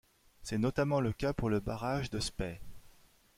C'est notamment le cas pour le barrage de Spay.